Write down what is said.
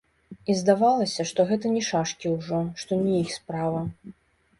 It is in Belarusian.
І здавалася, што гэта не шашкі ўжо, што не іх справа.